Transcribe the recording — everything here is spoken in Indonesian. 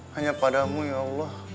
hanya padamu ya allah